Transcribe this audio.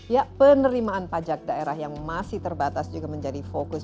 ya penerimaan pajak daerah yang masih terbatas juga menjadi fokus